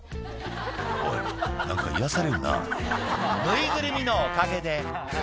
「おい何か癒やされるな」